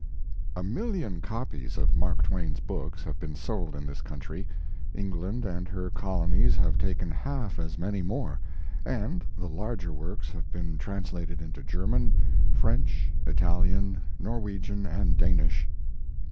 A million copies cf Mark Twain s books have been sold in this country. England and her colonies have taken half as many more, and the larger works have been translated into German, French, Italian, Norwegian and Danish.